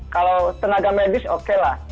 kalau tenaga medis oke lah